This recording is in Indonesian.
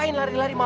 terima kasih papa